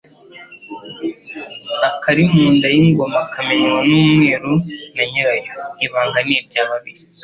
Akari mu nda y'ingoma kamenywa n'umwiru na nyirayo : Ibanga ni irya babiri.